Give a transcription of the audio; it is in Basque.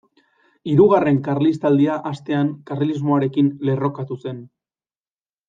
Hirugarren Karlistaldia hastean karlismoarekin lerrokatu zen.